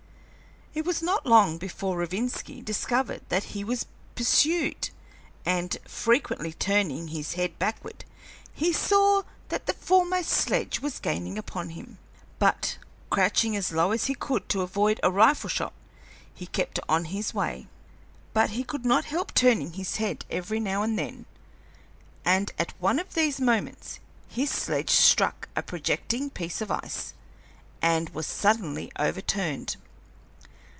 It was not long before Rovinski discovered that he was pursued, and, frequently turning his head backward, he saw that the foremost sledge was gaining upon him; but, crouching as low as he could to avoid a rifle shot, he kept on his way. But he could not help turning his head every now and then, and at one of these moments his sledge struck a projecting piece of ice and was suddenly overturned.